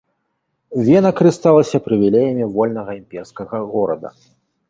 Вена карысталася прывілеямі вольнага імперскага горада.